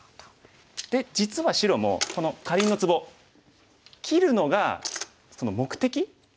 で実は白もこのかりんのツボ切るのが目的。